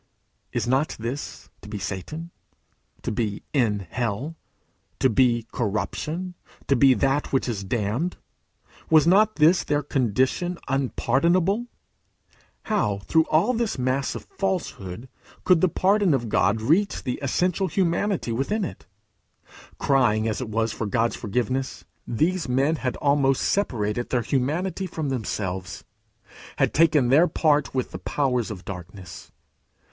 Is not this to be Satan? to be in hell? to be corruption? to be that which is damned? Was not this their condition unpardonable? How, through all this mass of falsehood, could the pardon of God reach the essential humanity within it? Crying as it was for God's forgiveness, these men had almost separated their humanity from themselves, had taken their part with the powers of darkness.